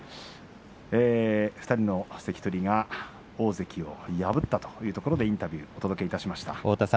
２人の関取が大関を破ったというところでインタビューをお届けしました。